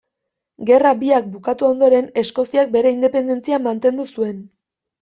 Gerra biak bukatu ondoren, Eskoziak bere independentzia mantendu zuen.